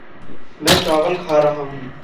मैं चावल खा रहा हूँ।